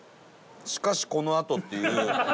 「しかしこのあと」っていう。